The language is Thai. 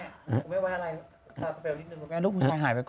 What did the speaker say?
แม่ผมไม่ว่าอะไรคาราเกอร์เฟลนิดหนึ่ง